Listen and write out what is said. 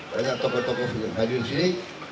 banyak tokoh tokoh hadir disini